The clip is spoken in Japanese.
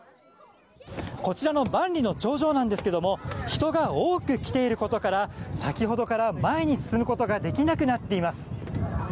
こちらの万里の長城なんですが人が多く来ていることから先ほどから前に進むことができなくなっています。